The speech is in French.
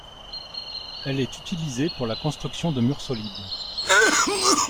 Elle est utilisée pour la construction de murs solides.